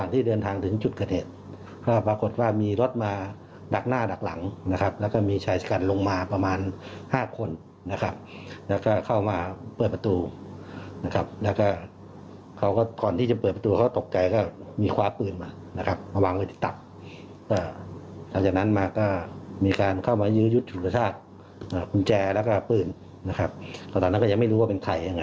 ตอนนั้นก็ยังไม่รู้ว่าเป็นใครอย่างไร